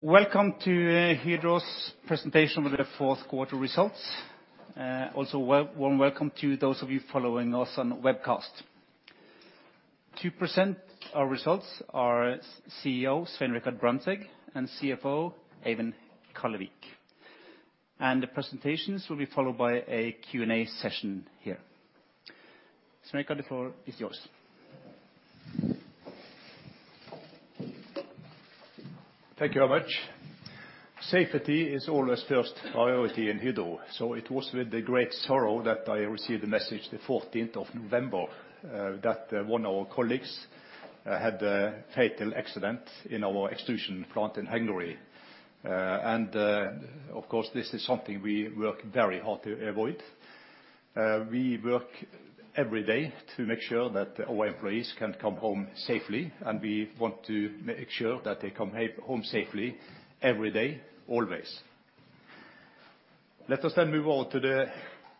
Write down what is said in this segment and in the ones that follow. Welcome to Hydro's presentation with the fourth quarter results. Also warm welcome to those of you following us on webcast. To present our results are CEO, Svein Richard Brandtzæg, and CFO, Eivind Kallevik. The presentations will be followed by a Q&A session here. Svein Richard, the floor is yours. Thank you how much. Safety is always first priority in Hydro. It was with the great sorrow that I received the message the 14th of November that one of our colleagues had a fatal accident in our extrusion plant in Hungary. Of course, this is something we work very hard to avoid. We work every day to make sure that our employees can come home safely, and we want to make sure that they come home safely every day, always. Let us move on to the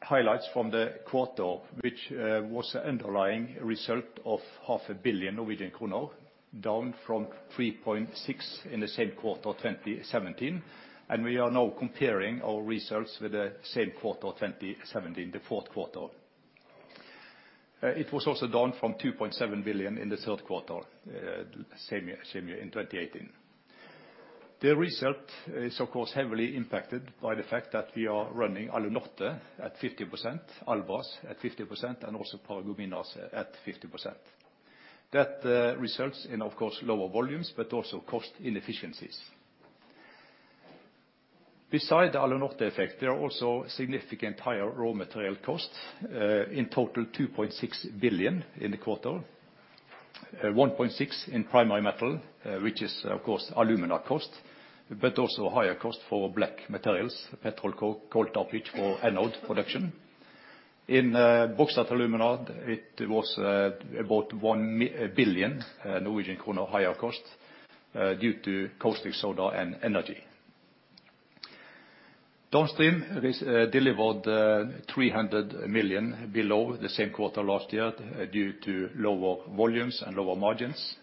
highlights from the quarter, which was underlying result of half a billion NOK, down from 3.6 billion in the same quarter, 2017. We are now comparing our results with the same quarter, 2017, the fourth quarter. It was also down from 2.7 billion in the third quarter in 2018. The result is, of course, heavily impacted by the fact that we are running Alunorte at 50%, Albras at 50%, and also Paragominas at 50%. Results in, of course, lower volumes, but also cost inefficiencies. Beside the Alunorte effect, there are also significant higher raw material costs in total 2.6 billion in the quarter. 1.6 in Primary Metal, which is, of course, alumina cost, but also higher cost for black materials, petroleum coke, coal tar pitch for anode production. Bauxite & Alumina, it was about 1 billion Norwegian kroner higher cost due to caustic soda and energy. Downstream delivered 300 million below the same quarter last year due to lower volumes and lower margins.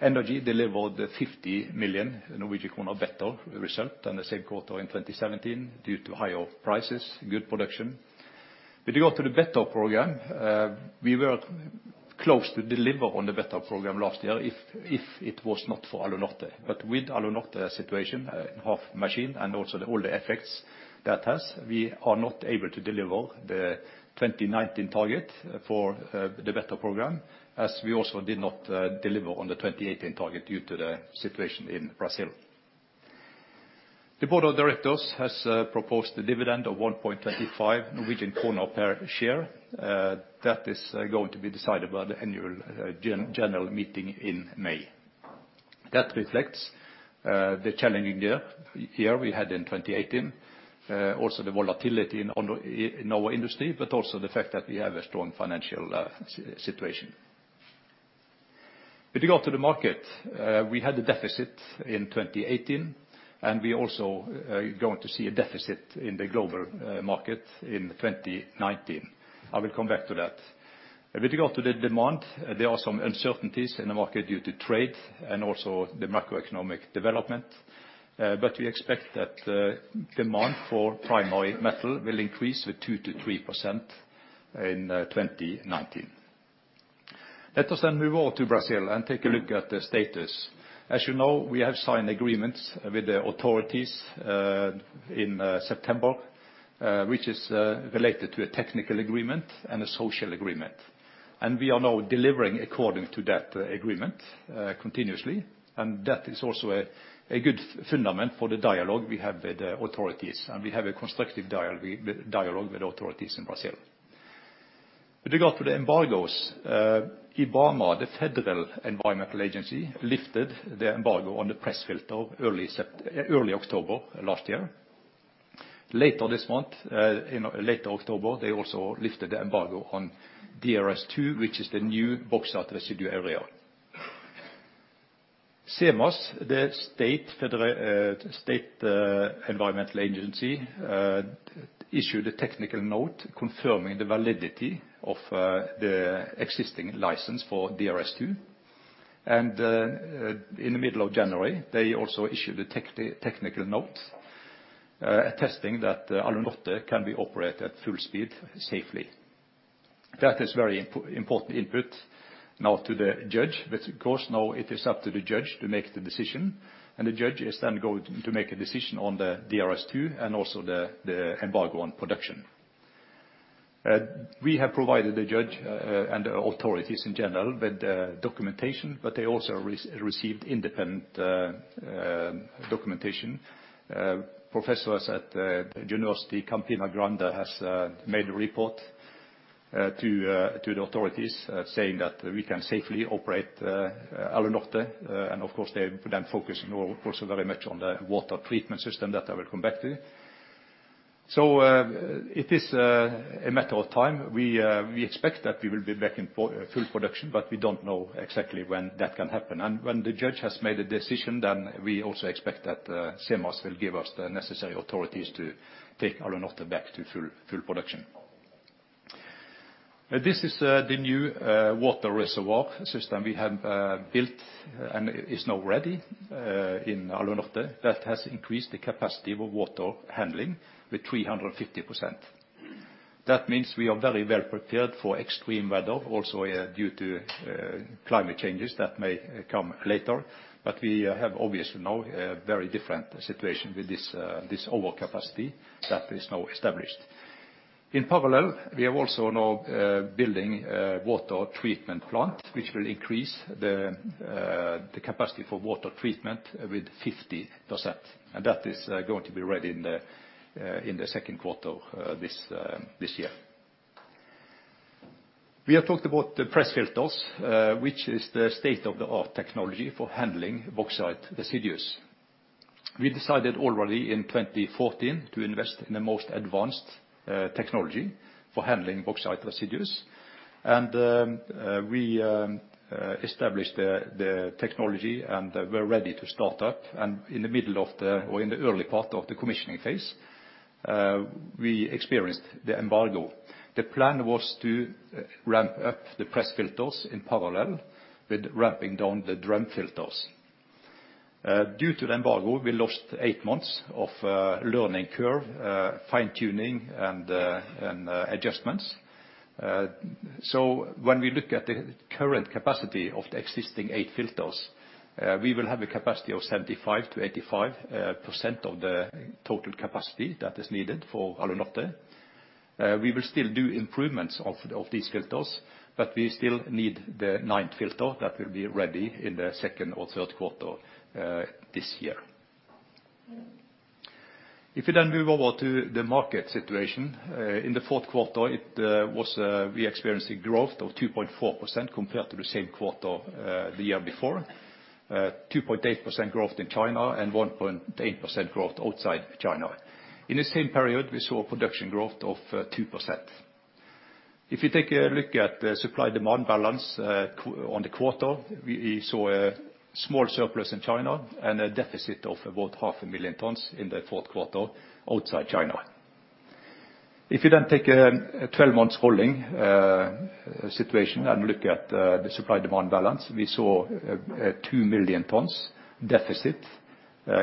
Energy delivered 50 million Norwegian kroner better result than the same quarter in 2017 due to higher prices, good production. With regard to the Better program, we were close to deliver on the Better program last year if it was not for Alunorte. With Alunorte situation, half machine and also the, all the effects that has, we are not able to deliver the 2019 target for the Better program, as we also did not deliver on the 2018 target due to the situation in Brazil. The Board of Directors has proposed a dividend of 1.25 per share. That is going to be decided by the annual general meeting in May. That reflects the challenging year we had in 2018, also the volatility in our industry, but also the fact that we have a strong financial situation. With regard to the market, we had a deficit in 2018, and we also are going to see a deficit in the global market in 2019. I will come back to that. With regard to the demand, there are some uncertainties in the market due to trade and also the macroeconomic development. We expect that the demand for Primary Metal will increase with 2%-3% in 2019. Let us move on to Brazil and take a look at the status. As you know, we have signed agreements with the authorities in September, which is related to a technical agreement and a social agreement. We are now delivering according to that agreement continuously. That is also a good fundament for the dialogue we have with the authorities. We have a constructive dialogue with authorities in Brazil. With regard to the embargoes, IBAMA, the federal environmental agency, lifted the embargo on the press filter early October last year. Later this month, later October, they also lifted the embargo on DRS2, which is the new bauxite residue area. SEMAS, the state environmental agency, issued a technical note confirming the validity of the existing license for DRS2. In the middle of January, they also issued a technical note attesting that Alunorte can be operated at full speed safely. That is very important input, now to the judge, but of course, now it is up to the judge to make the decision, and the judge is then going to make a decision on the DRS2 and also the embargo on production. We have provided the judge and authorities in general with the documentation, but they also received independent documentation. Professors at University Campina Grande has made a report to the authorities saying that we can safely operate Alunorte. Of course, they then focus on also very much on the water treatment system that I will come back to. It is a matter of time. We expect that we will be back in full production, but we don't know exactly when that can happen. When the judge has made a decision, then we also expect that SEMAS will give us the necessary authorities to take Alunorte back to full production. This is the new water reservoir system we have built and is now ready in Alunorte that has increased the capacity of water handling with 350%. That means we are very well-prepared for extreme weather also due to climate changes that may come later. We have obviously now a very different situation with this this over capacity that is now established. In parallel, we are also now building a water treatment plant, which will increase the capacity for water treatment with 50%, and that is going to be ready in the second quarter this year. We have talked about the press filters, which is the state-of-the-art technology for handling bauxite residues. We decided already in 2014 to invest in the most advanced technology for handling bauxite residues, and we established the technology and were ready to start up. In the middle of the or in the early part of the commissioning phase, we experienced the embargo. The plan was to ramp up the press filters in parallel with ramping down the drum filters. Due to the embargo, we lost eight months of learning curve, fine-tuning and adjustments. When we look at the current capacity of the existing eight filters, we will have a capacity of 75%-85% of the total capacity that is needed for Alunorte. We will still do improvements of these filters, but we still need the ninth filter that will be ready in the second or third quarter this year. Move over to the market situation, in the fourth quarter, we experienced a growth of 2.4% compared to the same quarter the year before. 2.8% growth in China and 1.8% growth outside China. In the same period, we saw a production growth of 2%. If you take a look at the supply-demand balance, on the quarter, we saw a small surplus in China and a deficit of about 0.5 million tons in the fourth quarter outside China. You take a 12 months rolling situation and look at the supply-demand balance, we saw a 2 million tons deficit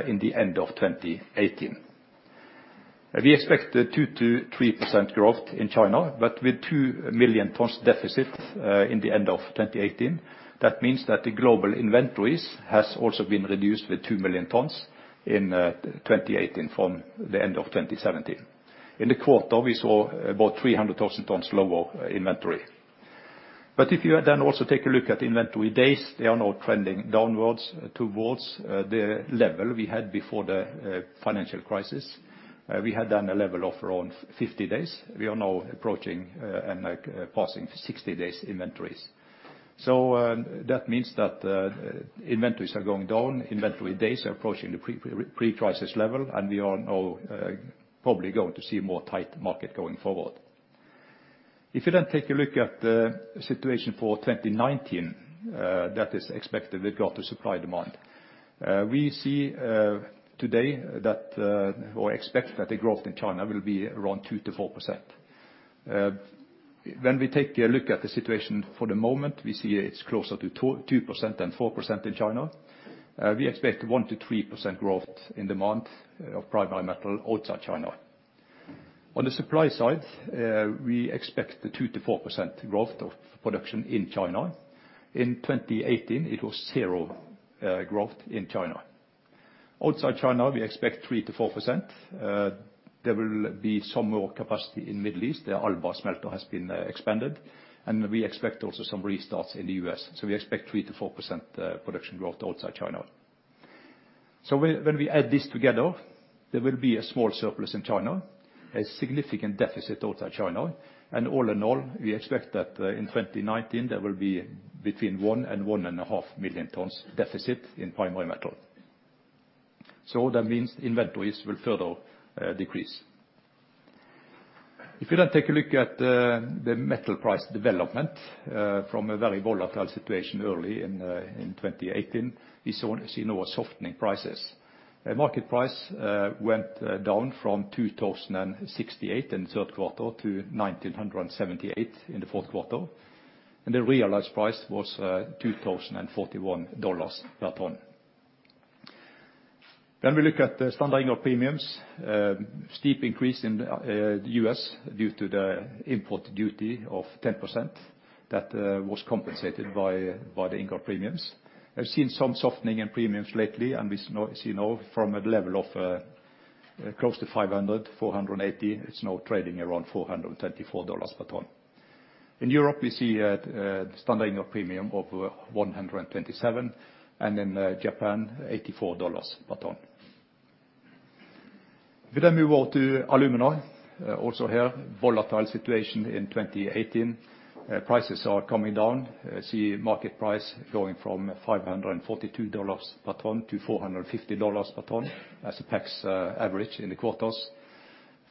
in the end of 2018. We expect 2%-3% growth in China, with 2 million tons deficit in the end of 2018, that means that the global inventories has also been reduced with 2 million tons in 2018 from the end of 2017. In the quarter, we saw about 300,000 tons lower inventory. If you then also take a look at inventory days, they are now trending downwards towards the level we had before the financial crisis. We had then a level of around 50 days. We are now approaching, and, like, passing 60 days inventories. That means that inventories are going down, inventory days are approaching the pre-crisis level, and we are now probably going to see a more tight market going forward. If you then take a look at the situation for 2019, that is expected with regard to supply-demand. We see today that or expect that the growth in China will be around 2%-4%. When we take a look at the situation for the moment, we see it's closer to 2% than 4% in China. We expect 1%-3% growth in demand of primary metal outside China. On the supply side, we expect a 2%-4% growth of production in China. In 2018, it was 0 growth in China. Outside China, we expect 3%-4%. There will be some more capacity in Middle East. The Albras smelter has been expanded, and we expect also some restarts in the US. We expect 3%-4% production growth outside China. When we add this together, there will be a small surplus in China, a significant deficit outside China, and all in all, we expect that in 2019, there will be between 1 and 1.5 million tons deficit in Primary Metal. That means inventories will further decrease. If you then take a look at the metal price development, from a very volatile situation early in 2018, we see now a softening prices. A market price went down from $2,068 in the third quarter to $1,978 in the fourth quarter, and the realized price was $2,041 per ton. When we look at the standard ingot premiums, steep increase in the U.S. due to the import duty of 10% that was compensated by the ingot premiums. I've seen some softening in premiums lately, and we see now from a level of close to 500, 480. It's now trading around $434 per ton. In Europe, we see a standard ingot premium of $127, and in Japan, $84 per ton. We move on to alumina. Also here, volatile situation in 2018. Prices are coming down. See market price going from $542 per ton to $450 per ton as a PAX average in the quarters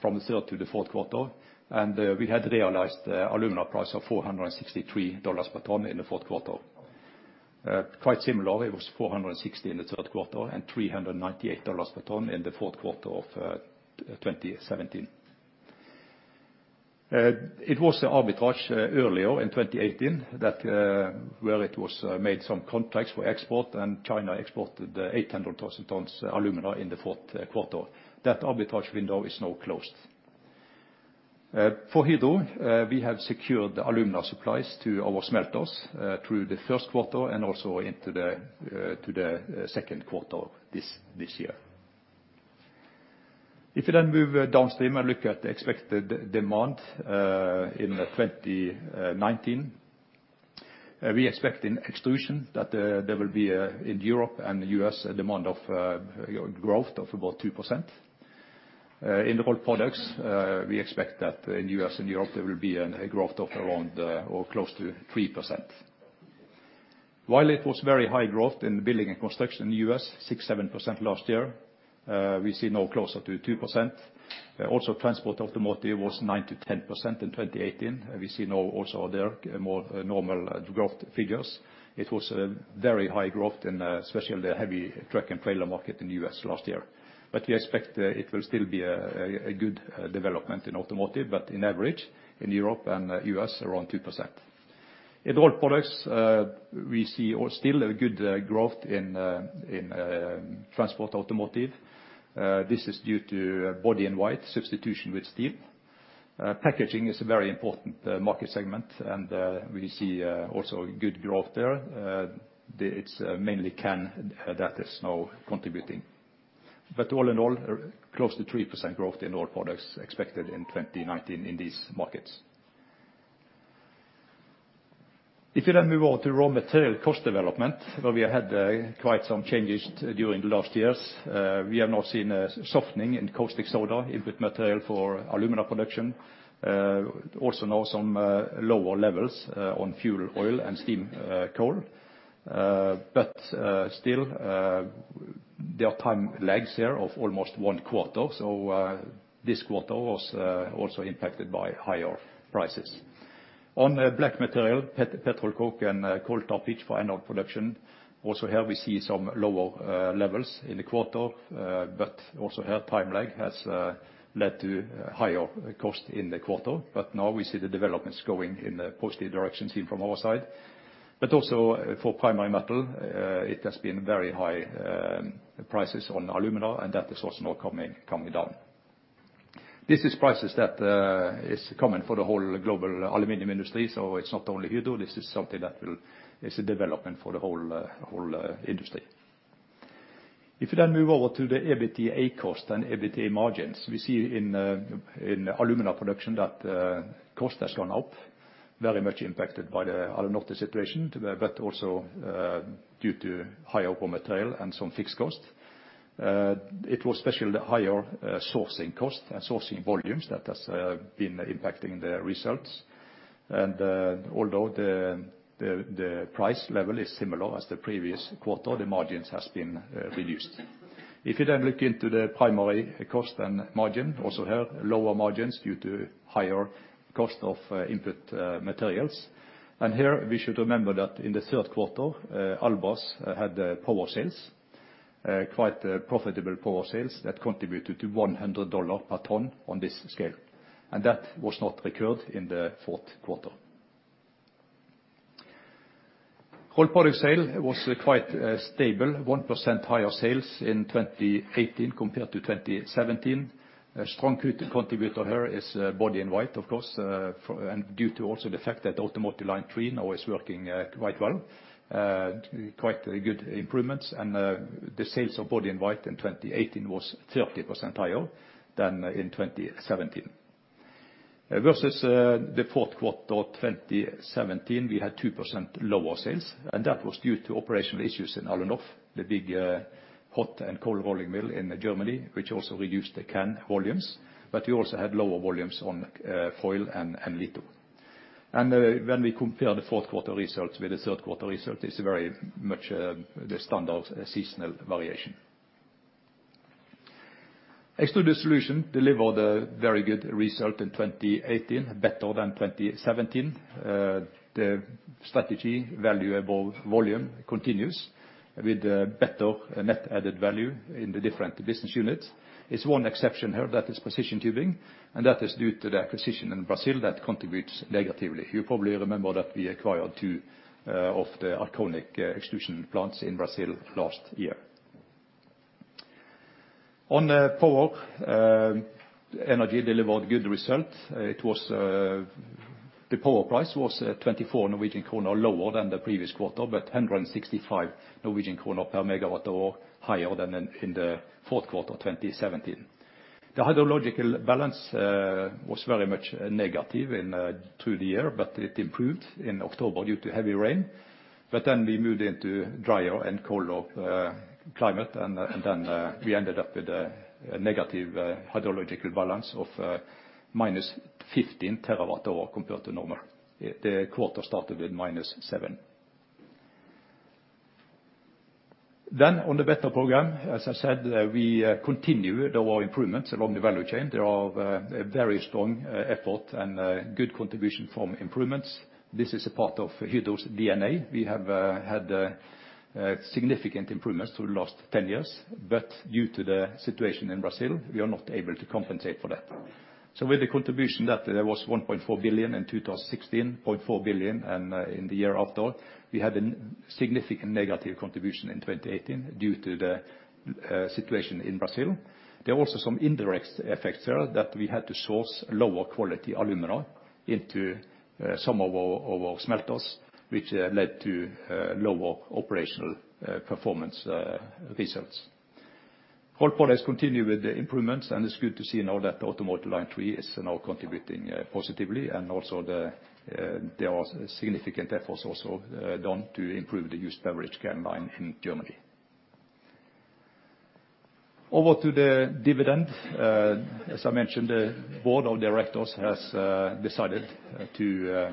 from the third to the fourth quarter. We had realized alumina price of $463 per ton in the fourth quarter. Quite similar, it was $460 in the third quarter and $398 per ton in the fourth quarter of 2017. It was the arbitrage earlier in 2018 that where it was made some contacts for export, and China exported 800,000 tons alumina in the fourth quarter. That arbitrage window is now closed. For Hydro, we have secured the alumina supplies to our smelters through the first quarter and also into the second quarter this year. If you move downstream and look at the expected demand in 2019, we expect in extrusion that there will be on Europe and U.S., a demand of, you know, growth of about 2%. In the Rolled Products, we expect that in U.S. and Europe there will be a growth of around or close to 3%. While it was very high growth in the building and construction in U.S., 6%-7% last year, we see now closer to 2%. Also transport automotive was 9%-10% in 2018. We see now also there, a more normal growth figures. It was very high growth in especially the heavy truck and trailer market in U.S. last year. We expect it will still be a good development in automotive, but in average, in Europe and U.S., around 2%. In Rolled Products, we see, or still, a good growth in transport automotive. This is due to body in white substitution with steel. Packaging is a very important market segment, and we see also good growth there. It's mainly can that is now contributing. All in all, close to 3% growth in Rolled Products expected in 2019 in these markets. You then move on to raw material cost development, where we had quite some changes during the last years. We have now seen a softening in caustic soda, input material for alumina production. Also now some lower levels on fuel oil and steam coal. Still, there are time lags here of almost one quarter, so this quarter was also impacted by higher prices. On black material, petrol coke, and coal tar pitch for anode production, also here we see some lower levels in the quarter, but also here time lag has led to higher cost in the quarter. Now we see the developments going in a positive direction seen from our side. Also, for primary metal, it has been very high prices on alumina, and that is also now coming down. This are prices that is common for the whole global aluminum industry, so it's not only Hydro, this is something that will... It's a development for the whole industry. You then move over to the EBITDA cost and EBITDA margins, we see in alumina production that cost has gone up, very much impacted by the Alunorte situation, but also due to higher raw material and some fixed costs. It was especially the higher sourcing cost and sourcing volumes that has been impacting the results. Although the price level is similar as the previous quarter, the margins has been reduced. You then look into the primary cost and margin, also here, lower margins due to higher cost of input materials. Here we should remember that in the third quarter, Albras had power sales, quite profitable power sales that contributed to $100 a ton on this scale, and that was not recurred in the fourth quarter. Rolled Products sale was quite stable, 1% higher sales in 2018 compared to 2017. A strong contributor here is body in white, of course, and due to also the fact that Automotive line 3 now is working quite well. Quite good improvements and the sales of body in white in 2018 was 30% higher than in 2017. Versus the fourth quarter 2017, we had 2% lower sales, and that was due to operational issues in Alunorf, the big hot and cold rolling mill in Germany, which also reduced the can volumes, we also had lower volumes on foil and litho. When we compare the fourth quarter results with the third quarter result, it's very much the standard seasonal variation. Extruded Solutions delivered a very good result in 2018, better than 2017. The strategy, value above volume, continues with better net added value in the different business units. It's one exception here, that is precision tubing, and that is due to the acquisition in Brazil that contributes negatively. You probably remember that we acquired two of the Arconic extrusion plants in Brazil last year. On power, Energy delivered good result. The power price was 24 Norwegian kroner lower than the previous quarter, 165 Norwegian kroner per MWh higher than in the fourth quarter 2017. The hydrological balance was very much negative through the year, it improved in October due to heavy rain. We moved into drier and colder climate, and then we ended up with a negative hydrological balance of -15 terawatt hour compared to normal. The quarter started with -7. On the Better program, as I said, we continue with our improvements along the value chain. There are very strong effort and good contribution from improvements. This is a part of Hydro's DNA. We have had significant improvements through the last 10 years. Due to the situation in Brazil, we are not able to compensate for that. With the contribution that there was 1.4 billion in 2016, 0.4 billion in the year after, we had a significant negative contribution in 2018 due to the situation in Brazil. There are also some indirect effects there that we had to source lower quality alumina into some of our smelters, which led to lower operational performance results. Rolled Products continue with the improvements. It's good to see now that Automotive line 3 is now contributing positively. Also, there are significant efforts also done to improve the used beverage can line in Germany. Over to the dividend. As I mentioned, the Board of Directors has decided to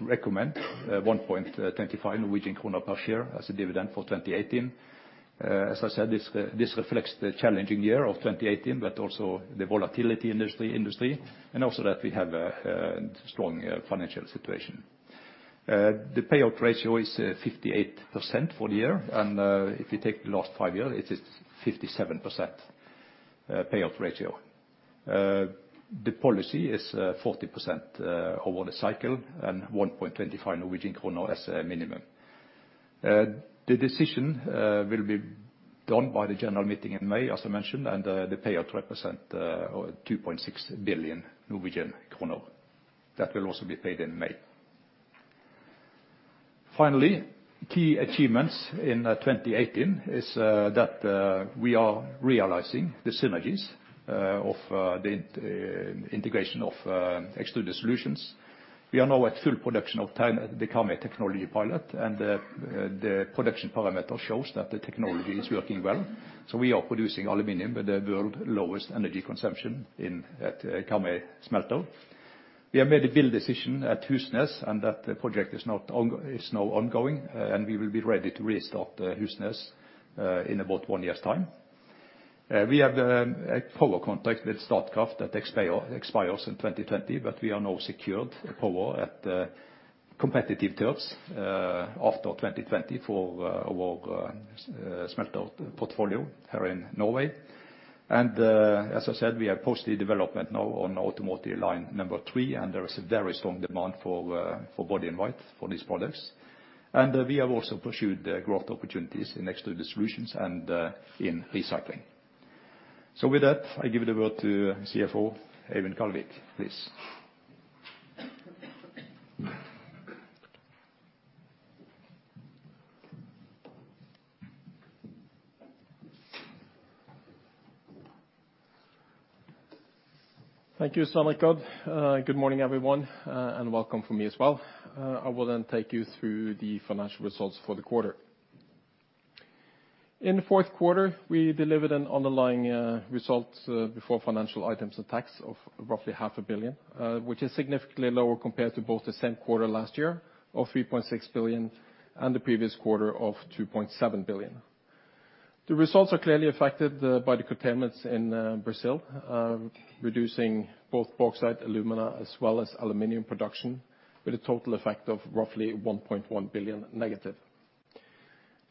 recommend 1.25 Norwegian kroner per share as a dividend for 2018. As I said, this reflects the challenging year of 2018, but also the volatility industry and also that we have a strong financial situation. The payout ratio is 58% for the year. If you take the last five year, it is 57% payout ratio. The policy is 40% over the cycle and 1.25 Norwegian kroner as a minimum. The decision will be done by the general meeting in May, as I mentioned. The payout represent 2.6 billion Norwegian kroner. That will also be paid in May. Key achievements in 2018 is that we are realizing the synergies of the integration of Extruded Solutions. We are now at full production of the Karmøy Technology Pilot, the production parameter shows that the technology is working well. We are producing aluminum with the world lowest energy consumption at Karmøy smelter. We have made a build decision at Husnes, that project is now ongoing, and we will be ready to restart Husnes in about one year's time. We have a power contract with Statkraft that expires in 2020, we are now secured power at competitive terms after 2020 for our smelter portfolio here in Norway. As I said, we have posted development now on Automotive line 3, and there is a very strong demand for body in white for these products. We have also pursued, growth opportunities in Extruded Solutions and, in recycling. With that, I give the word to CFO Eivind Kallevik. Please. Thank you, Svein Richard. Good morning, everyone, and welcome from me as well. I will take you through the financial results for the quarter. In the fourth quarter, we delivered an underlying result before financial items and tax of roughly NOK half a billion, which is significantly lower compared to both the same quarter last year of 3.6 billion and the previous quarter of 2.7 billion. The results are clearly affected by the curtailments in Brazil, reducing both bauxite, alumina, as well as aluminum production with a total effect of roughly 1.1 billion negative.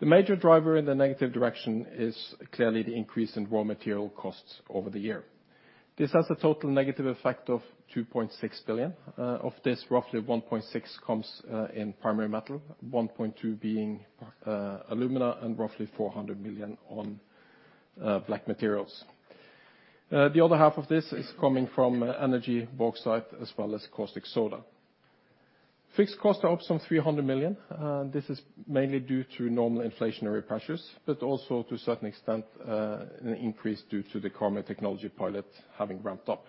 The major driver in the negative direction is clearly the increase in raw material costs over the year. This has a total negative effect of 2.6 billion. Of this, roughly 1.6 comes in Primary Metal, 1.2 being alumina, and roughly 400 million on black materials. The other half of this is coming from energy, bauxite, as well as caustic soda. Fixed costs are up some 300 million. This is mainly due to normal inflationary pressures, but also to a certain extent, an increase due to the Karmøy Technology Pilot having ramped up.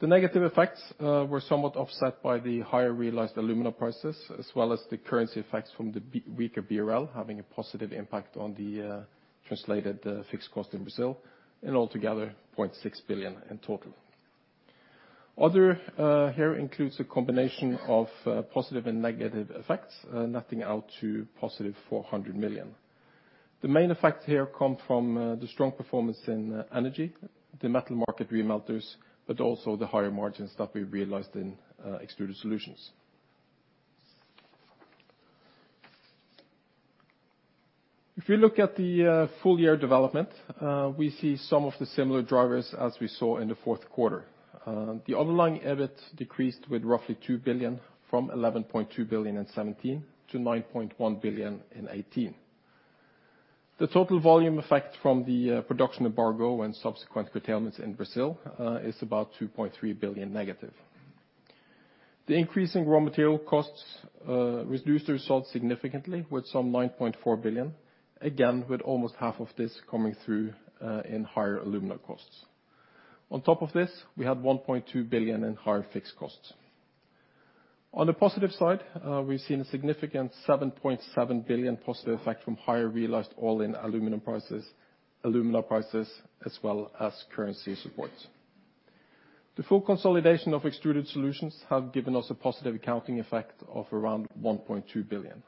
The negative effects were somewhat offset by the higher realized alumina prices, as well as the currency effects from the weaker BRL, having a positive impact on the translated fixed cost in Brazil, and altogether 0.6 billion in total. Other here includes a combination of positive and negative effects, netting out to positive 400 million. The main effects here come from the strong performance in Energy, the metal market remelters, but also the higher margins that we realized in Extruded Solutions. If you look at the full year development, we see some of the similar drivers as we saw in the fourth quarter. The underlying EBIT decreased with roughly 2 billion from 11.2 billion in 2017 to 9.1 billion in 2018. The total volume effect from the production embargo and subsequent curtailments in Brazil is about 2.3 billion negative. The increase in raw material costs reduced the results significantly with some 9.4 billion, again, with almost half of this coming through in higher alumina costs. On top of this, we had 1.2 billion in higher fixed costs. On the positive side, we've seen a significant 7.7 billion positive effect from higher realized oil in aluminum prices, alumina prices, as well as currency support. The full consolidation of Extruded Solutions have given us a positive accounting effect of around 1.2 billion.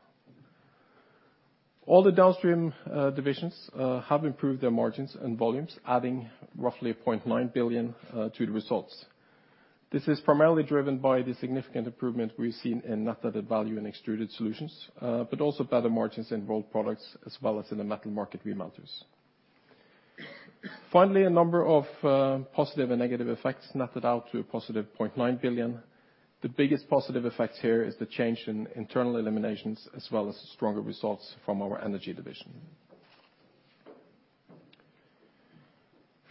All the downstream divisions have improved their margins and volumes, adding roughly 0.9 billion to the results. This is primarily driven by the significant improvement we've seen in net added value and Extruded Solutions, but also better margins in Rolled Products as well as in the Metal Market remelters. Finally, a number of positive and negative effects netted out to a positive 0.9 billion. The biggest positive effect here is the change in internal eliminations, as well as the stronger results from our Energy division.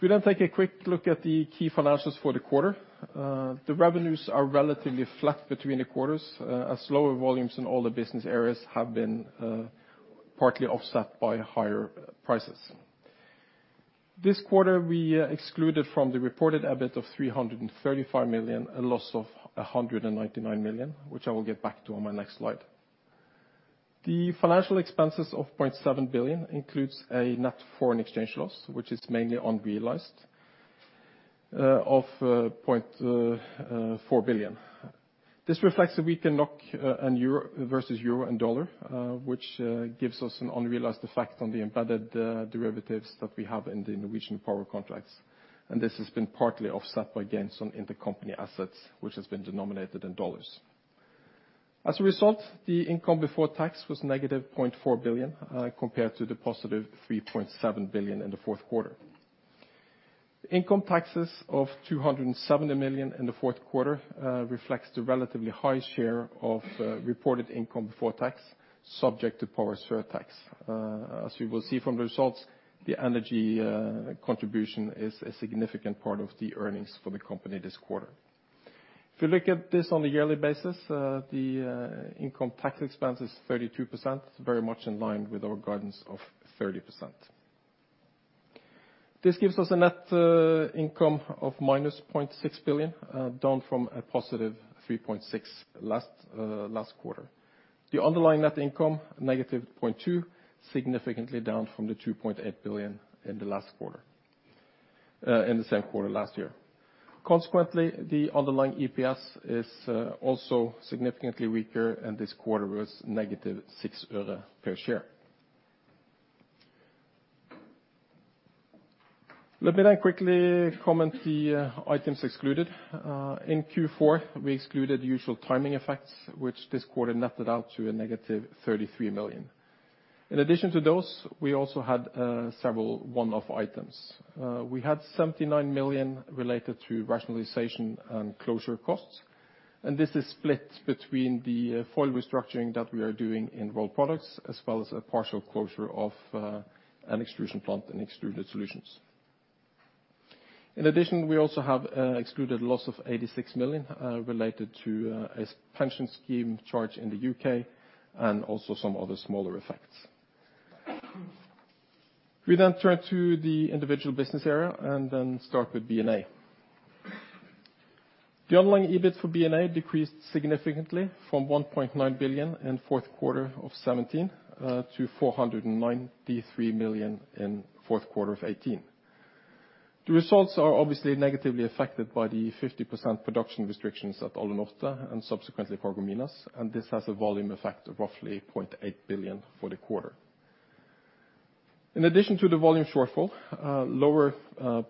If we take a quick look at the key financials for the quarter, the revenues are relatively flat between the quarters, as lower volumes in all the business areas have been partly offset by higher prices. This quarter, we excluded from the reported EBIT of 335 million, a loss of 199 million, which I will get back to on my next slide. The financial expenses of 0.7 billion includes a net foreign exchange loss, which is mainly unrealized, of 0.4 billion. This reflects a weaker NOK and euro, versus euro and dollar, which gives us an unrealized effect on the embedded derivatives that we have in the Norwegian power contracts. This has been partly offset by gains on intercompany assets, which has been denominated in dollars. The income before tax was -0.4 billion compared to the positive 3.7 billion in the fourth quarter. The income taxes of 270 million in the fourth quarter reflects the relatively high share of reported income before tax subject to power surtax. As we will see from the results, the Energy contribution is a significant part of the earnings for the company this quarter. If you look at this on a yearly basis, the income tax expense is 32%, very much in line with our guidance of 30%. A net income of -0.6 billion down from a positive 3.6 billion last quarter. The underlying net income, -0.2, significantly down from the 2.8 billion in the last quarter, in the same quarter last year. Consequently, the underlying EPS is also significantly weaker, and this quarter was -NOK 0.06 per share. Let me quickly comment the items excluded. In Q4, we excluded usual timing effects, which this quarter netted out to a -33 million. In addition to those, we also had several one-off items. We had 79 million related to rationalization and closure costs, and this is split between the foil restructuring that we are doing in Rolled Products, as well as a partial closure of an extrusion plant and Extruded Solutions. In addition, we also have excluded loss of 86 million related to a pension scheme charge in the UK and also some other smaller effects. Turn to the individual business area and start with B&A. The underlying EBIT for B&A decreased significantly from 1.9 billion in fourth quarter of 2017 to 493 million in fourth quarter of 2018. The results are obviously negatively affected by the 50% production restrictions at Alunorte and subsequently Paragominas, and this has a volume effect of roughly 0.8 billion for the quarter. In addition to the volume shortfall, lower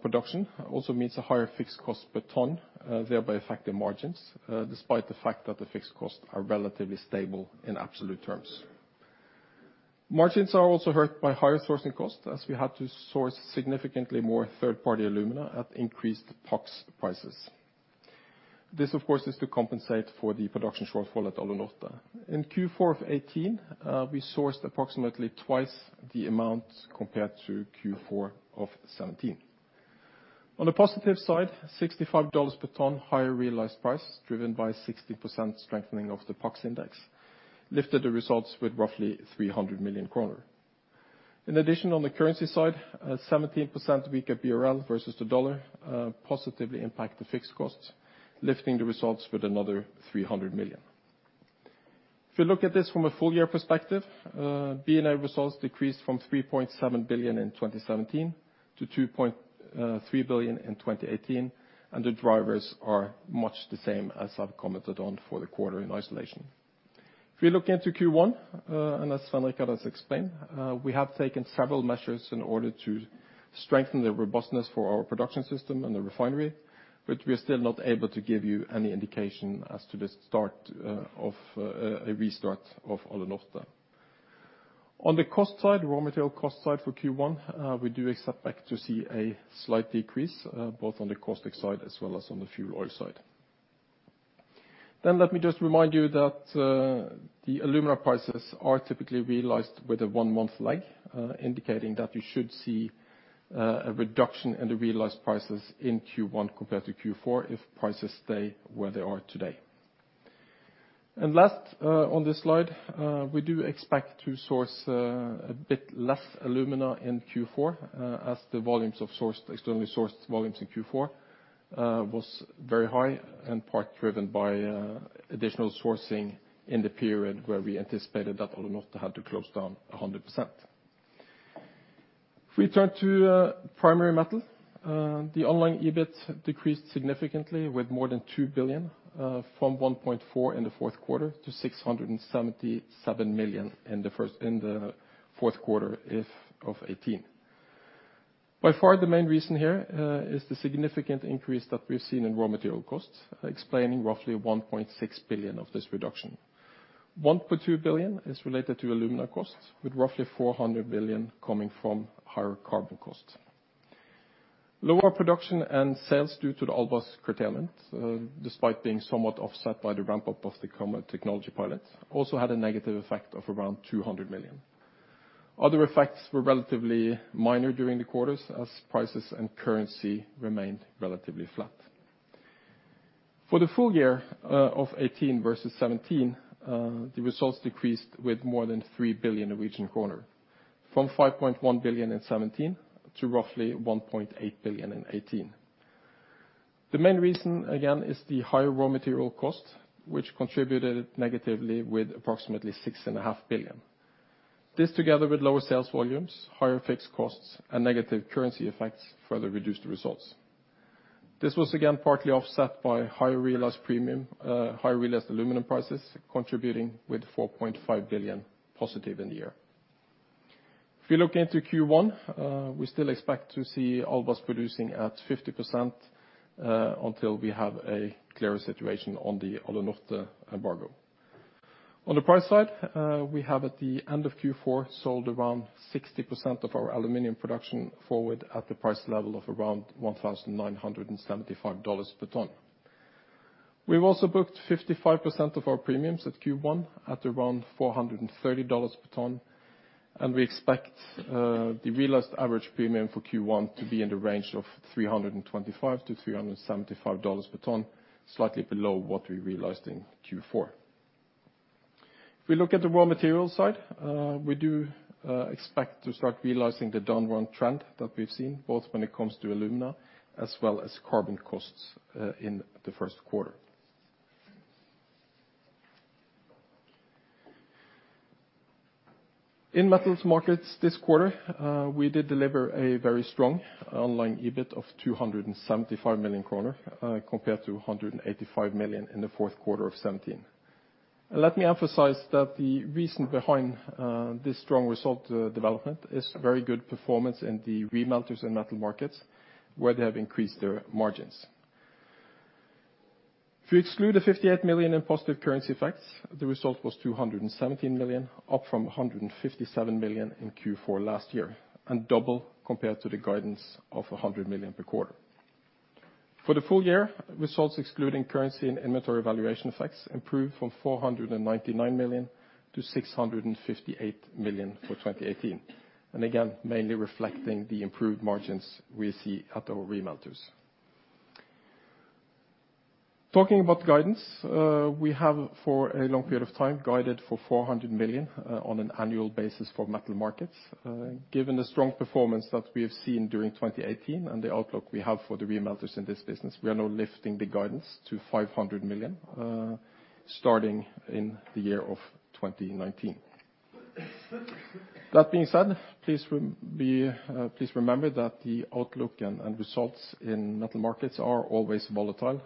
production also means a higher fixed cost per ton, thereby affecting margins, despite the fact that the fixed costs are relatively stable in absolute terms. Margins are also hurt by higher sourcing costs, as we had to source significantly more third-party alumina at increased PAX prices. This, of course, is to compensate for the production shortfall at Alunorte. In Q4 2018, we sourced approximately twice the amount compared to Q4 2017. On the positive side, $65 per ton higher realized price, driven by 60% strengthening of the PAX index, lifted the results with roughly 300 million kroner. In addition, on the currency side, a 17% weaker BRL versus the dollar, positively impact the fixed costs, lifting the results with another 300 million. If you look at this from a full year perspective, B&A results decreased from 3.7 billion in 2017 to 2.3 billion in 2018, and the drivers are much the same as I've commented on for the quarter in isolation. If you're looking into Q1, and as Svein Richard has explained, we have taken several measures in order to strengthen the robustness for our production system and the refinery, but we are still not able to give you any indication as to the start of a restart of Alunorte. On the cost side, raw material cost side for Q1, we do expect to see a slight decrease, both on the caustic side as well as on the fuel oil side. Let me just remind you that the alumina prices are typically realized with a one-month lag, indicating that you should see a reduction in the realized prices in Q1 compared to Q4 if prices stay where they are today. Last on this slide, we do expect to source a bit less alumina in Q4, as the volumes of externally sourced volumes in Q4 was very high and part driven by additional sourcing in the period where we anticipated that Alunorte had to close down 100%. If we turn to Primary Metal, the online EBIT decreased significantly with more than 2 billion, from 1.4 billion in the fourth quarter to 677 million in the fourth quarter of 2018. By far, the main reason here, is the significant increase that we've seen in raw material costs, explaining roughly 1.6 billion of this reduction. 1.2 billion is related to alumina costs, with roughly 400 billion coming from higher carbon costs. Lower production and sales due to the Albras curtailment, despite being somewhat offset by the ramp up of the current technology pilots, also had a negative effect of around 200 million. Other effects were relatively minor during the quarters, as prices and currency remained relatively flat. For the full year of 2018 versus 2017, the results decreased with more than 3 billion Norwegian kroner, from 5.1 billion in 2017 to roughly 1.8 billion in 2018. The main reason, again, is the higher raw material cost, which contributed negatively with approximately 6.5 billion. This, together with lower sales volumes, higher fixed costs, and negative currency effects, further reduced the results. This was again partly offset by higher realized premium, higher realized aluminium prices, contributing with $4.5 billion positive in the year. If you look into Q1, we still expect to see Albras producing at 50%, until we have a clearer situation on the Alunorte embargo. On the price side, we have at the end of Q4, sold around 60% of our aluminium production forward at the price level of around $1,975 per ton. We've also booked 55% of our premiums at Q1 at around $430 per ton. We expect the realized average premium for Q1 to be in the range of $325-$375 per ton, slightly below what we realized in Q4. If we look at the raw material side, we do expect to start realizing the down one trend that we've seen, both when it comes to alumina as well as carbon costs in the first quarter. In Metal Markets this quarter, we did deliver a very strong online EBIT of 275 million kroner compared to 185 million in the fourth quarter of 2017. Let me emphasize that the reason behind this strong result development is very good performance in the remelters and Metal Markets, where they have increased their margins. If you exclude the 58 million in positive currency effects, the result was 217 million, up from 157 million in Q4 last year, and double compared to the guidance of 100 million per quarter. For the full year, results excluding currency and inventory valuation effects improved from 499 million to 658 million for 2018. Again, mainly reflecting the improved margins we see at our remelters. Talking about guidance, we have for a long period of time guided for 400 million on an annual basis for Metal Markets. Given the strong performance that we have seen during 2018 and the outlook we have for the remelters in this business, we are now lifting the guidance to 500 million starting in the year of 2019. That being said, please remember that the outlook and results in Metal Markets are always volatile,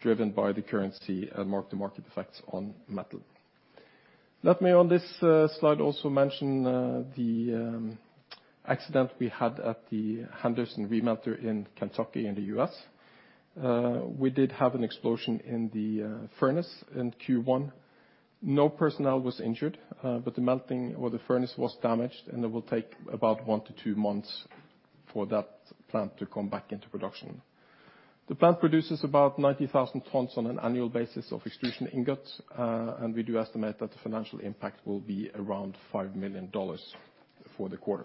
driven by the currency and mark-to-market effects on metal. Let me on this slide also mention the accident we had at the Henderson remelter in Kentucky in the U.S. We did have an explosion in the furnace in Q1. No personnel was injured, but the melting or the furnace was damaged and it will take about one to two months for that plant to come back into production. The plant produces about 90,000 tons on an annual basis of extrusion ingots. We do estimate that the financial impact will be around $5 million for the quarter.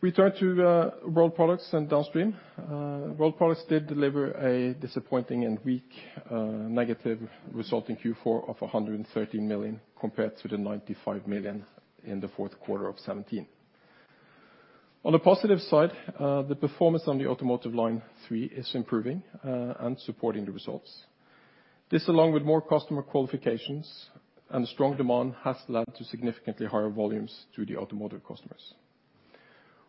We turn to Rolled Products and downstream. Rolled Products did deliver a disappointing and weak, negative result in Q4 of $130 million compared to the $95 million in the fourth quarter of 2017. On the positive side, the performance on the Automotive line 3 is improving, and supporting the results. This along with more customer qualifications and strong demand, has led to significantly higher volumes to the automotive customers.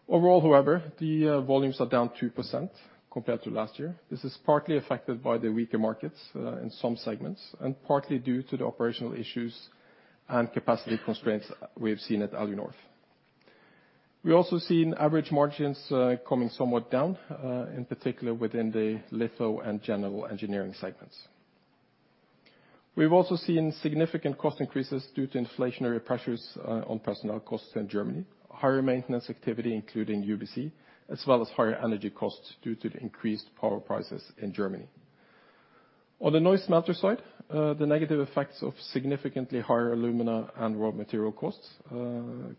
Overall, however, the volumes are down 2% compared to last year. This is partly affected by the weaker markets, in some segments, and partly due to the operational issues and capacity constraints we've seen at Alunorf. We also seen average margins coming somewhat down in particular within the litho and general engineering segments. We've also seen significant cost increases due to inflationary pressures on personnel costs in Germany, higher maintenance activity, including UBC, as well as higher energy costs due to the increased power prices in Germany. On the Neuss smelter side, the negative effects of significantly higher alumina and raw material costs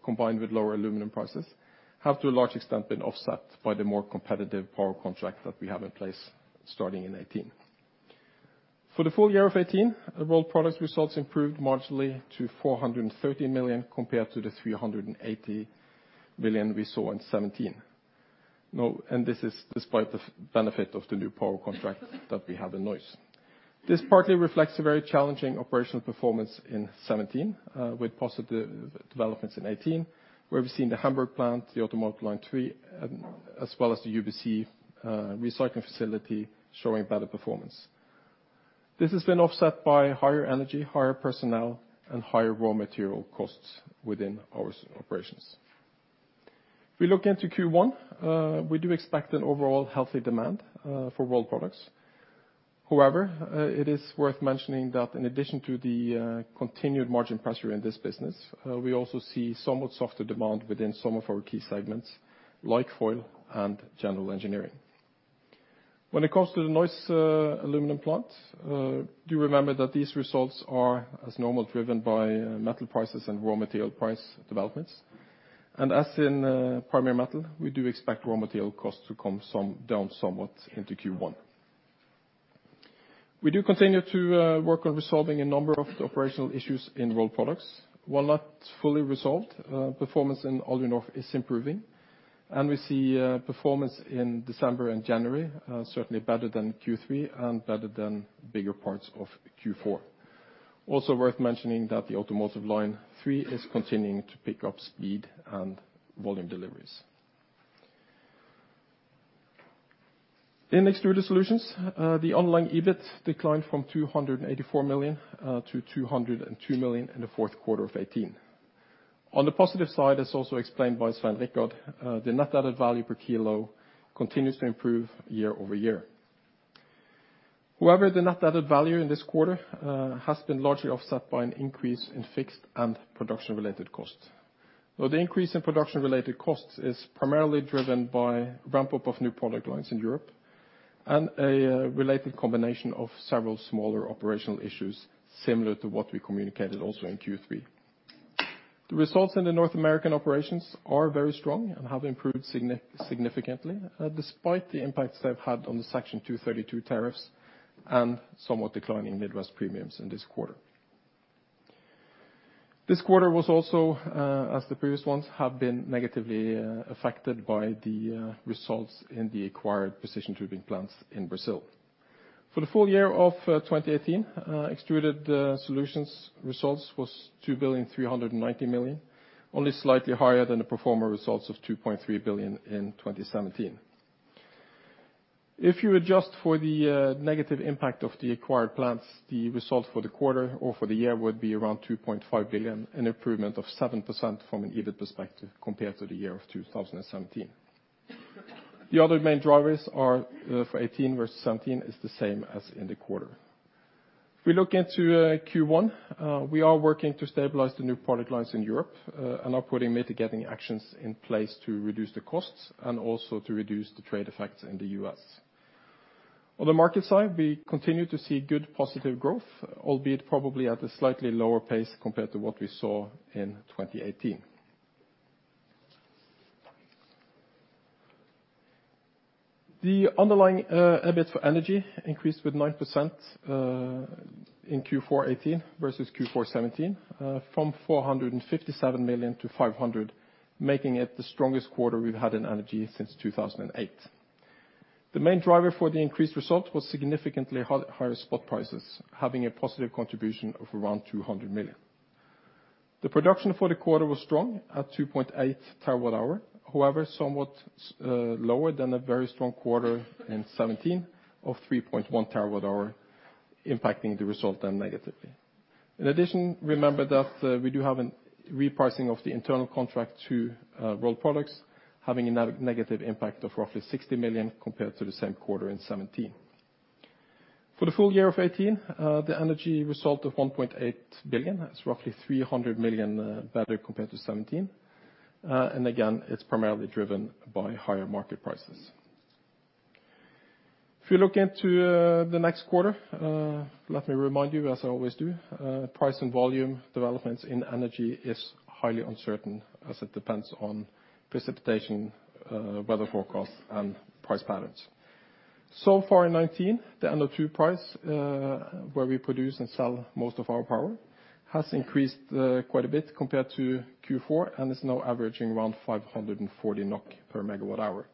combined with lower aluminium prices, have to a large extent been offset by the more competitive power contract that we have in place starting in 2018. For the full year of 2018, the Rolled Products results improved marginally to 430 million compared to 380 million we saw in 2017. No, this is despite the benefit of the new power contract that we have in Neuss. This partly reflects a very challenging operational performance in 2017, with positive developments in 2018, where we've seen the Hamburg plant, the Automotive line 3, as well as the UBC, recycling facility showing better performance. This has been offset by higher energy, higher personnel, and higher raw material costs within our operations. If we look into Q1, we do expect an overall healthy demand for Rolled Products. However, it is worth mentioning that in addition to the continued margin pressure in this business, we also see somewhat softer demand within some of our key segments, like foil and general engineering. When it comes to the Neuss, aluminum plant, do remember that these results are, as normal, driven by metal prices and raw material price developments. As in Primary Metal, we do expect raw material costs to come down somewhat into Q1. We do continue to work on resolving a number of the operational issues in Rolled Products. While not fully resolved, performance in Alunorf is improving, and we see performance in December and January, certainly better than Q3 and better than bigger parts of Q4. Also worth mentioning that the Automotive line 3 is continuing to pick up speed and volume deliveries. In Extruded Solutions, the underlying EBIT declined from 284 million to 202 million in the fourth quarter of 2018. On the positive side, as also explained by Svein Richard, the net added value per kilo continues to improve year-over-year. However, the net added value in this quarter has been largely offset by an increase in fixed and production-related costs. Though the increase in production-related costs is primarily driven by ramp-up of new product lines in Europe and a related combination of several smaller operational issues, similar to what we communicated also in Q3. The results in the North American operations are very strong and have improved significantly, despite the impacts they've had on the Section 232 tariffs and somewhat declining Midwest premiums in this quarter. This quarter was also, as the previous ones, have been negatively affected by the results in the acquired precision tubing plants in Brazil. For the full year of 2018, Extruded Solutions results was 2,390 million, only slightly higher than the pro forma results of 2.3 billion in 2017. If you adjust for the negative impact of the acquired plants, the result for the quarter or for the year would be around 2.5 billion, an improvement of 7% from an EBIT perspective compared to the year of 2017. The other main drivers are for 2018 versus 2017 is the same as in the quarter. If we look into Q1, we are working to stabilize the new product lines in Europe and are putting mitigating actions in place to reduce the costs and also to reduce the trade effects in the US. On the market side, we continue to see good positive growth, albeit probably at a slightly lower pace compared to what we saw in 2018. The underlying EBIT for Energy increased with 9% in Q4 2018 versus Q4 2017, from 457 million to 500 million, making it the strongest quarter we've had in Energy since 2008. The main driver for the increased result was significantly higher spot prices, having a positive contribution of around 200 million. The production for the quarter was strong at 2.8 TWh, however, somewhat lower than a very strong quarter in 2017 of 3.1 TWh, impacting the result then negatively. In addition, remember that we do have a repricing of the internal contract to Rolled Products, having a negative impact of roughly 60 million compared to the same quarter in 2017. For the full year of 2018, the Energy result of 1.8 billion, that's roughly 300 million better compared to 2017. Again, it's primarily driven by higher market prices. If you look into the next quarter, let me remind you, as I always do, price and volume developments in Energy is highly uncertain, as it depends on precipitation, weather forecasts, and price patterns. So far in 2019, the NO2 price, where we produce and sell most of our power, has increased quite a bit compared to Q4 and is now averaging around 540 NOK per MWh.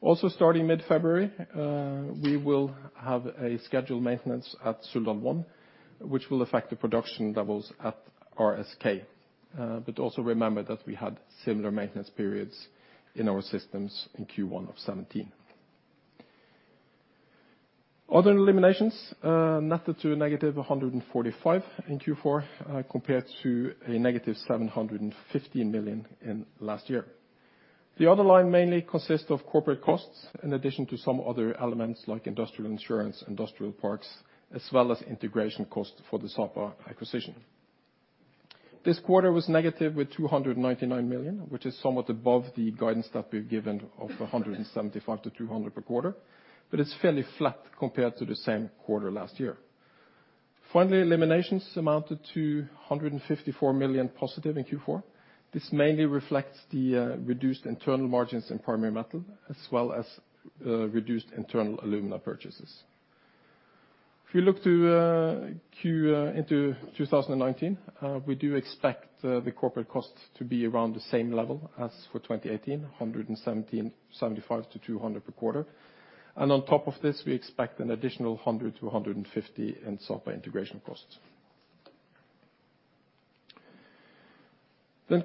Also, starting mid-February, we will have a scheduled maintenance at Suldal I, which will affect the production levels at RSK. Also remember that we had similar maintenance periods in our systems in Q1 of 2017. Other eliminations netted to a negative 145 in Q4, compared to a negative 715 million in last year. The other line mainly consists of corporate costs in addition to some other elements like industrial insurance, industrial parks, as well as integration costs for the Sapa acquisition. This quarter was negative with 299 million, which is somewhat above the guidance that we've given of 175-200 per quarter, but it's fairly flat compared to the same quarter last year. Finally, eliminations amounted to 154 million positive in Q4. This mainly reflects the reduced internal margins in Primary Metal, as well as reduced internal alumina purchases. If you look into 2019, we do expect the corporate costs to be around the same level as for 2018, 175-200 per quarter. On top of this, we expect an additional 100-150 in software integration costs.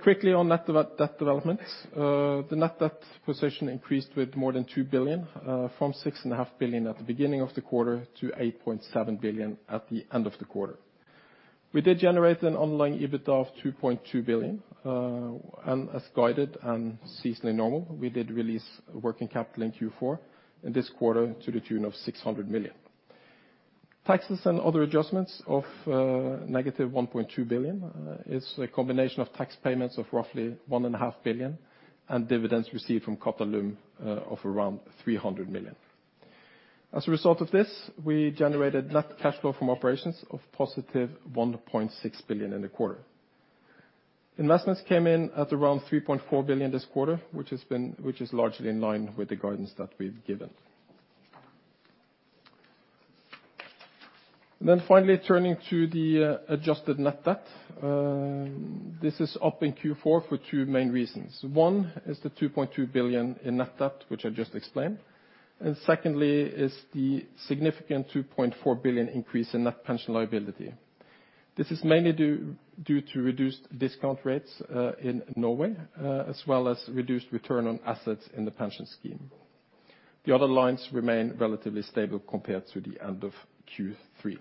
Quickly on net debt developments. The net debt position increased with more than 2 billion from 6.5 billion at the beginning of the quarter to 8.7 billion at the end of the quarter. We did generate an underlying EBIT of 2.2 billion. As guided and seasonally normal, we did release working capital in Q4, in this quarter to the tune of 600 million. Taxes and other adjustments of -1.2 billion is a combination of tax payments of roughly 1.5 billion, and dividends received from Qatalum of around 300 million. As a result of this, we generated net cash flow from operations of positive 1.6 billion in the quarter. Investments came in at around 3.4 billion this quarter, which is largely in line with the guidance that we've given. Finally turning to the adjusted net debt. This is up in Q4 for two main reasons. One, is the 2.2 billion in net debt, which I just explained. Secondly is the significant 2.4 billion increase in net pension liability. This is mainly due to reduced discount rates in Norway, as well as reduced return on assets in the pension scheme. The other lines remain relatively stable compared to the end of Q3.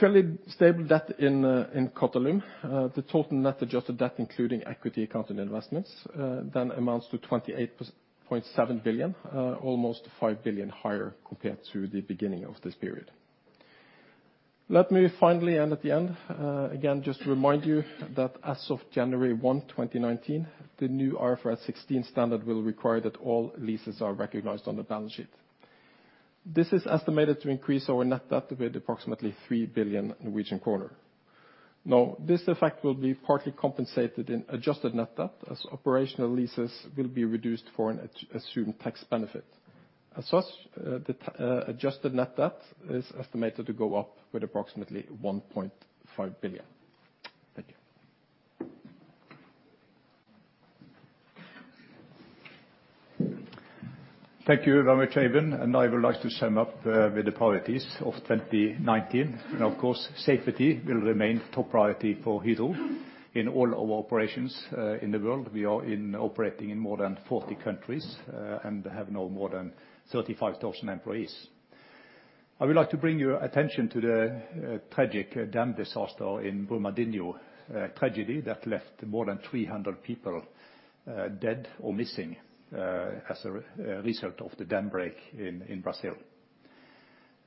Fairly stable debt in Qatalum, the total net adjusted debt, including equity accounting investments, amounts to 28.7 billion, almost 5 billion higher compared to the beginning of this period. Let me finally end at the end. Again, just to remind you that as of January 1, 2019, the new IFRS 16 standard will require that all leases are recognized on the balance sheet. This is estimated to increase our net debt with approximately 3 billion Norwegian kroner. This effect will be partly compensated in adjusted net debt as operational leases will be reduced for an assumed tax benefit. Adjusted net debt is estimated to go up with approximately 1.5 billion. Thank you. Thank you very much, Eivind. I would like to sum up with the priorities of 2019. Of course, safety will remain top priority for Hydro in all our operations in the world. We are operating in more than 40 countries and have now more than 35,000 employees. I would like to bring your attention to the tragic dam disaster in Brumadinho, a tragedy that left more than 300 people dead or missing as a result of the dam break in Brazil.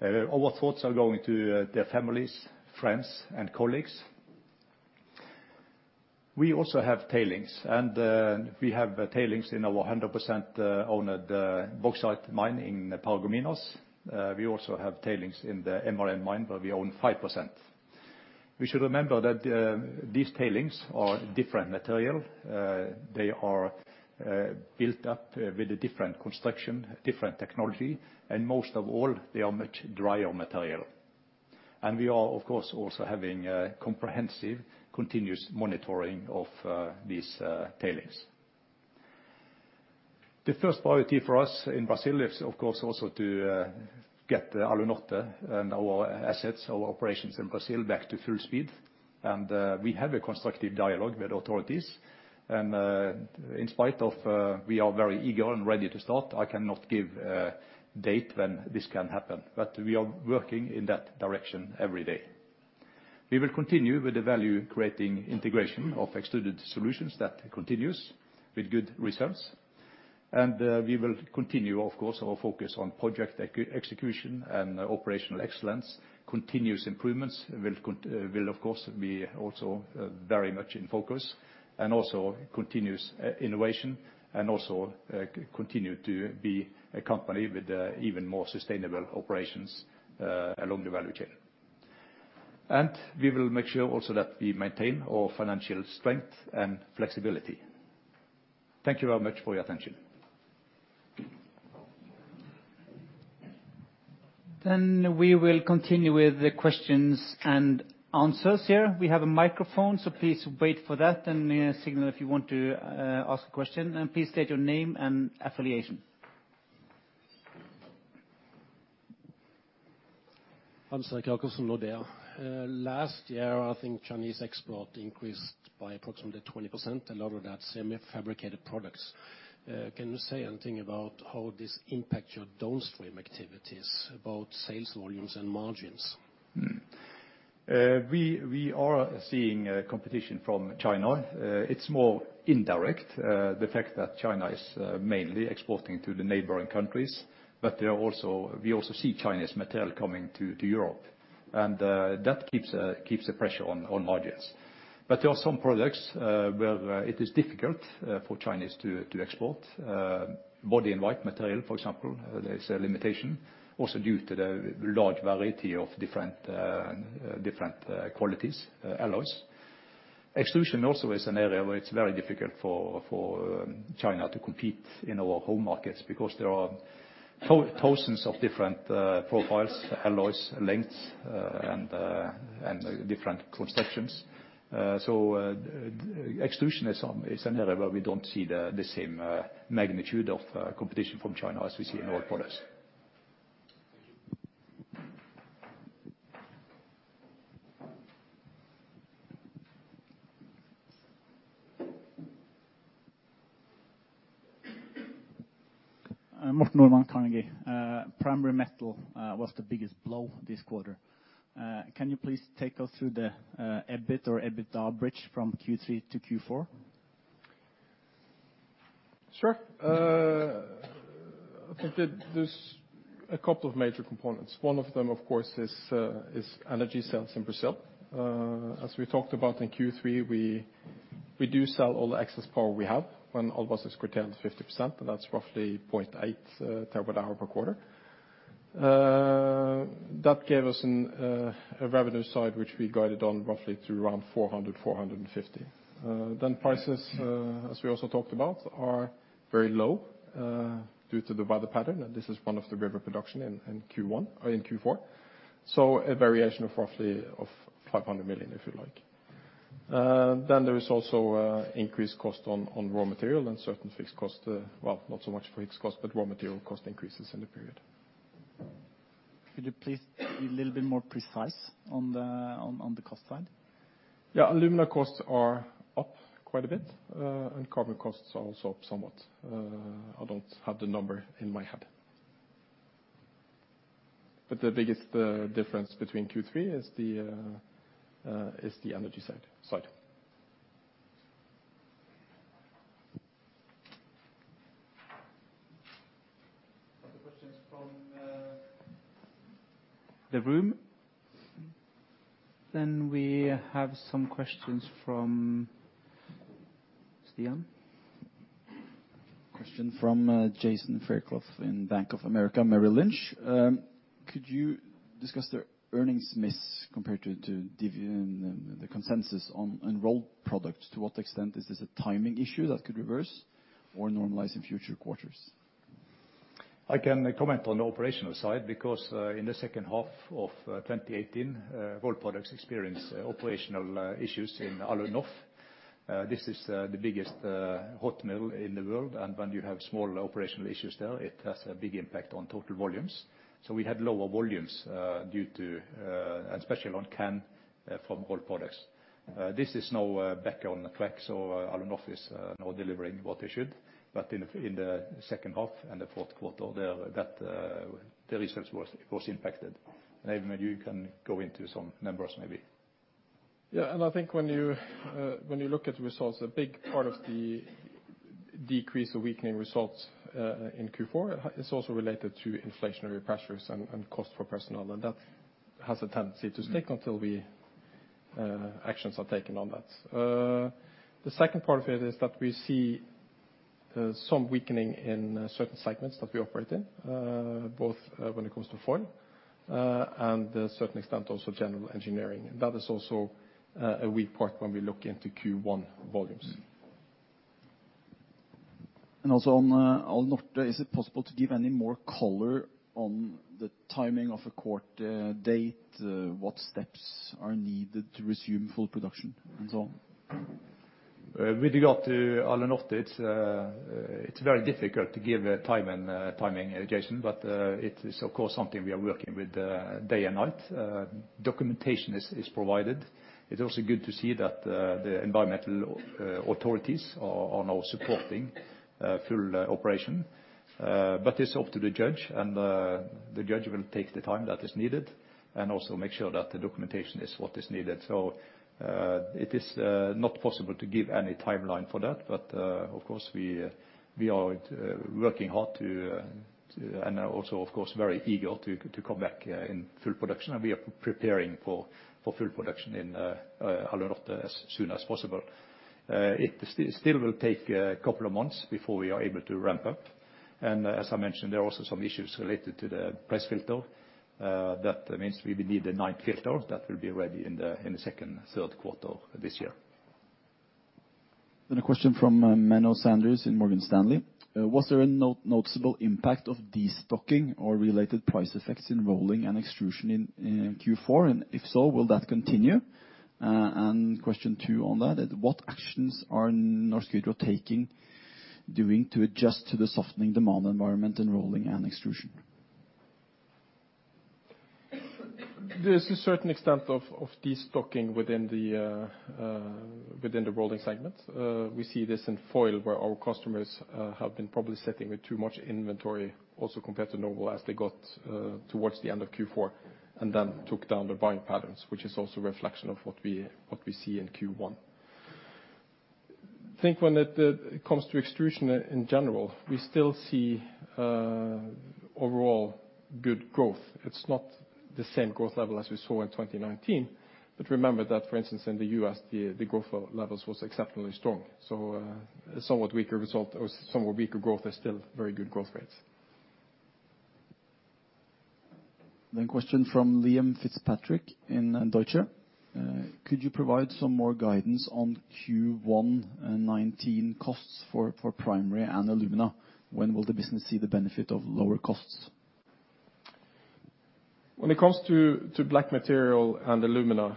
Our thoughts are going to their families, friends, and colleagues. We also have tailings in our 100% owned bauxite mine in Paragominas. We also have tailings in the MRN mine, where we own 5%. We should remember that these tailings are different material. They are built up with a different construction, different technology, and most of all, they are much drier material. We are, of course, also having a comprehensive, continuous monitoring of these tailings. The first priority for us in Brazil is, of course, also to get Alunorte and our assets, our operations in Brazil back to full speed. We have a constructive dialogue with authorities. In spite of, we are very eager and ready to start, I cannot give a date when this can happen. We are working in that direction every day. We will continue with the value-creating integration of Extruded Solutions that continues with good results. We will continue, of course, our focus on project execution and operational excellence. Continuous improvements will, of course, be also very much in focus. Continuous innovation and continue to be a company with even more sustainable operations along the value chain. We will make sure also that we maintain our financial strength and flexibility. Thank you very much for your attention. We will continue with the questions and answers here. We have a microphone, so please wait for that and signal if you want to ask a question. Please state your name and affiliation. Hans-Erik Jacobsen from Nordea. Last year, I think Chinese export increased by approximately 20%, a lot of that semi-fabricated products. Can you say anything about how this impacts your downstream activities, about sales volumes and margins? We are seeing competition from China. It's more indirect, the fact that China is mainly exporting to the neighboring countries. We also see Chinese material coming to Europe. That keeps the pressure on margins. There are some products where it is difficult for Chinese to export. Body in white material, for example, there is a limitation also due to the large variety of different qualities, alloys. Extrusion also is an area where it's very difficult for China to compete in our home markets because there are thousands of different profiles, alloys, lengths, and different constructions. Extrusion is an area where we don't see the same magnitude of competition from China as we see in Rolled Products. Thank you. Morten Normann, Carnegie. Primary Metal was the biggest blow this quarter. Can you please take us through the EBIT or EBITDA bridge from Q3 to Q4? Sure. I think that there's a couple of major components. One of them, of course, is Energy sales in Brazil. As we talked about in Q3, we do sell all the excess power we have when Albras is curtailed to 50%, and that's roughly 0.8 TWh per quarter. That gave us a revenue side which we guided on roughly to around 400 million-450 million. Prices, as we also talked about, are very low, due to the weather pattern, and this is one of the river production in Q1 or in Q4. A variation of roughly of 500 million, if you like. Then there is also increased cost on raw material and certain fixed costs. Well, not so much fixed cost, but raw material cost increases in the period. Could you please be a little bit more precise on the cost side? Yeah. Alumina costs are up quite a bit, and carbon costs are also up somewhat. I don't have the number in my head. The biggest difference between Q3 is the Energy side. Other questions from the room? We have some questions from... Stian? Question from Jason Fairclough in Bank of America Merrill Lynch. Could you discuss the earnings miss compared to and the consensus on Rolled Products? To what extent is this a timing issue that could reverse or normalize in future quarters? I can comment on the operational side. In the second half of 2018, Rolled Products experienced operational issues in Alunorf. This is the biggest hot mill in the world, and when you have small operational issues there, it has a big impact on total volumes. We had lower volumes due to and especially on can from Rolled Products. This is now back on track, so Alunorf is now delivering what they should. In the second half and the fourth quarter there, that the results was impacted. Eivind, maybe you can go into some numbers maybe. Yeah. I think when you, when you look at the results, a big part of the decrease or weakening results, in Q4 is also related to inflationary pressures and cost for personnel, and that has a tendency to stick until we, actions are taken on that. The second part of it is that we see, some weakening in certain segments that we operate in, both, when it comes to foil, and a certain extent also general engineering. That is also, a weak part when we look into Q1 volumes. Also on, Alunorte, is it possible to give any more color on the timing of a court date? What steps are needed to resume full production and so on? With regard to Alunorte, it's very difficult to give a time and timing, Jason, it is of course something we are working with day and night. Documentation is provided. It's also good to see that the environmental authorities are now supporting full operation. It's up to the judge, the judge will take the time that is needed and also make sure that the documentation is what is needed. It is not possible to give any timeline for that. Of course, we are also, of course, very eager to come back in full production, and we are preparing for full production in Alunorte as soon as possible. It still will take a couple of months before we are able to ramp up. As I mentioned, there are also some issues related to the press filter, that means we will need a ninth filter that will be ready in the second, third quarter this year. A question from Menno Sanderse in Morgan Stanley. Was there a no-noticeable impact of destocking or related price effects in Rolling and Extrusion in Q4? If so, will that continue? Question two on that, what actions are Norsk Hydro taking, doing to adjust to the softening demand environment in rolling and extrusion? There's a certain extent of destocking within the rolling segment. We see this in foil where our customers have been probably sitting with too much inventory also compared to normal as they got towards the end of Q4 and then took down their buying patterns, which is also a reflection of what we see in Q1. Think when it comes to Extrusion in general, we still see overall good growth. It's not the same growth level as we saw in 2019, remember that, for instance, in the U.S., the growth levels was exceptionally strong. A somewhat weaker result or somewhat weaker growth is still very good growth rates. Question from Liam Fitzpatrick in Deutsche. Could you provide some more guidance on Q1 2019 costs for Primary Metal and alumina? When will the business see the benefit of lower costs? When it comes to black material and alumina,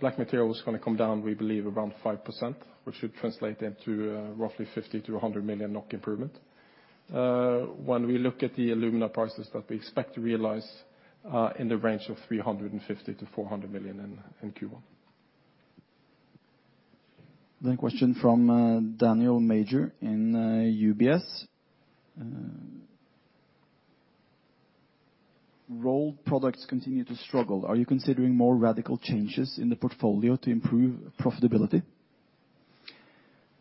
black material is gonna come down, we believe, around 5%, which should translate into roughly 50 million-100 million NOK improvement. When we look at the alumina prices that we expect to realize, in the range of 350 million-400 million in Q1. Question from Daniel Major in UBS. Rolled Products continue to struggle. Are you considering more radical changes in the portfolio to improve profitability?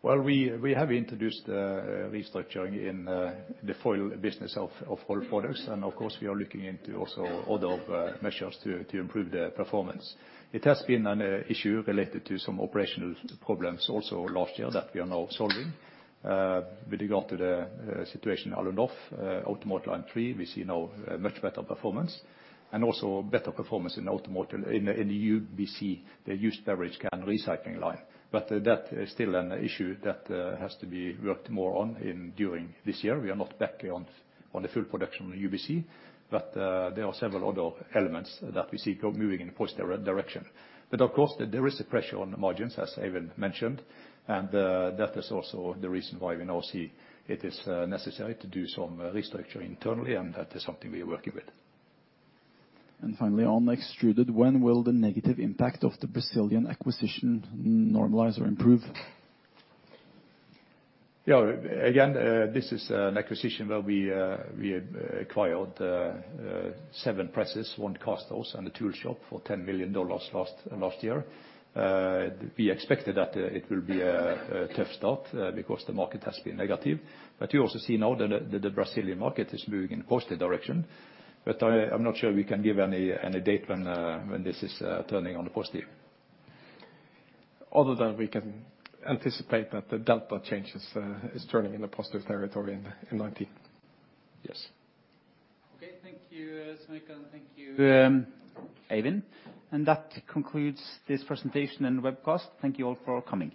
Well, we have introduced restructuring in the foil business of Rolled Products. Of course, we are looking into also other measures to improve the performance. It has been an issue related to some operational problems also last year that we are now solving. With regard to the situation at Alunorf, Automotive line 3, we see now a much better performance. Also better performance in automotive in the UBC, they used beverage can recycling line. That is still an issue that has to be worked more on in during this year. We are not back on the full production of UBC, but there are several other elements that we see moving in a positive direction. Of course, there is a pressure on the margins, as Eivind mentioned, and that is also the reason why we now see it is necessary to do some restructuring internally, and that is something we are working with. Finally, on Extruded, when will the negative impact of the Brazilian acquisition normalize or improve? Yeah. Again, this is an acquisition where we acquired seven presses, one cast house, and a tool shop for $10 million last year. We expected that it will be a tough start because the market has been negative. You also see now that the Brazilian market is moving in a positive direction. I'm not sure we can give any date when this is turning on the positive. Other than we can anticipate that the delta changes, is turning in a positive territory in 2019. Yes. Okay. Thank you, Stian, and thank you, Eivind. That concludes this presentation and webcast. Thank you all for coming.